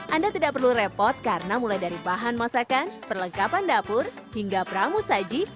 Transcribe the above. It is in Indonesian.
anda tidak perlu repot karena mulai dari bahan masakan perlengkapan dapur hingga pramu saji